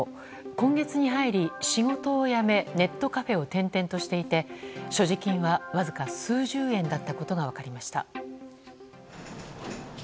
今月に入り、仕事をやめネットカフェを転々としていて所持金はわずか数十円だったことが分かりました。